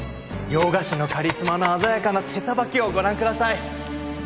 洋菓子のカリスマの鮮やかな手さばきをご覧ください。